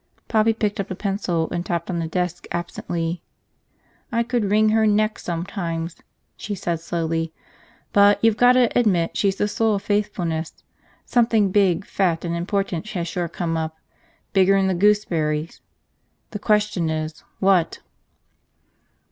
Poppy picked up a pencil and tapped on the desk absently. "I could wring her neck sometimes," she said slowly, "but you've gotta admit she's the soul of faithfulness. Something big, fat, and important has sure come up, bigger'n the gooseberries. The question is – what?"